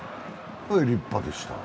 立派でした。